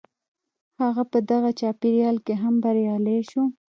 هغه په دغه چاپېريال کې هم بريالی شو.